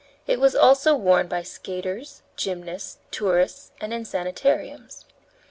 It was also worn by skaters, gymnasts, tourists, and in sanitariums.